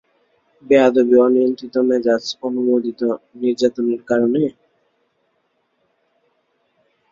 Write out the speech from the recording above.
বেয়াদবি, অনিয়ন্ত্রিত মেজাজ, অননুমোদিত নির্যাতনের কারণে?